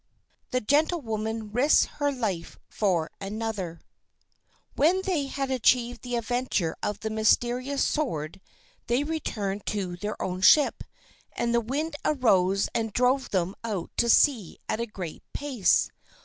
The Gentlewoman Risks Her Life for Another When they had achieved the adventure of the mysterious sword, they returned to their own ship, and the wind arose and drove them out to sea at a great pace.